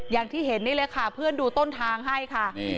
อย่างที่เห็นนี่เลยค่ะเพื่อนดูต้นทางให้ค่ะ